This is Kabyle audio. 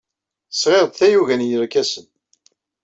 Sɣiɣ-d tayuga n yerkasen.